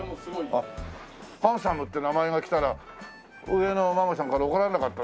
はんさむって名前が来たら上のママさんから怒られなかった？